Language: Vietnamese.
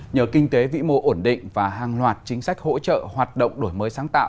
nhờ kinh tế vĩ mô ổn định và hàng loạt chính sách hỗ trợ hoạt động đổi mới sáng tạo